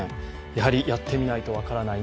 やはり、やってみないと分からない